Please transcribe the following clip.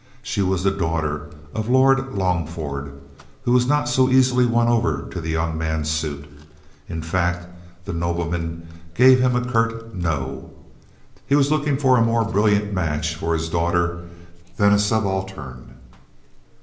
She was the daughter of Lord Longford, who was not so easily won over to the young man's suit. In fact, the nobleman gave him a curt "no." He was looking for a more brilliant match for his daughter than a subaltern.